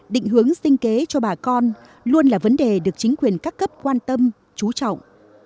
định hướng sinh kế cho bà con luôn là vấn đề được chính quyền các cấp quan tâm chú trọng